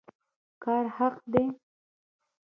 کار حق دی